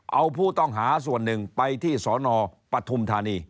เอาผู้ต้องหาส่วนหนึ่งไปที่สนปฐุมธานี